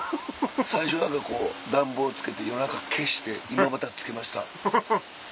最初暖房つけて夜中消して今またつけました。